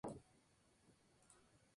Llegó hasta el estrecho de Malaca.